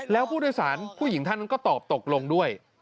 แล้วผู้โดยสารผู้หญิงท่านนั้นก็ตอบตกลงด้วย